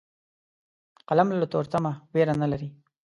قلم له تورتمه ویره نه لري